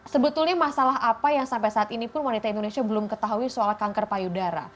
sebetulnya masalah apa yang sampai saat ini pun wanita indonesia belum ketahui soal kanker payudara